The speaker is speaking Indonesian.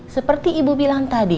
seperti ibu bilang tadi